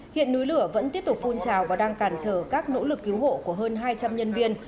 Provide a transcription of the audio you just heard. hiện núi lửa vẫn tiếp tục phun trào và đang cản trở các nỗ lực cứu hộ của hơn hai trăm linh nhân viên